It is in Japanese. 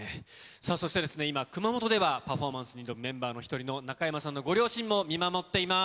さあそして、今、熊本ではパフォーマンスのメンバーの一人の中山さんのご両親も見守っています。